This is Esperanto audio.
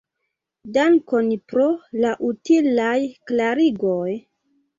Dankon pro la utilaj klarigoj.